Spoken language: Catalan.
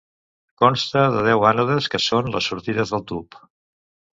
Consta de deu ànodes que són les sortides del tub.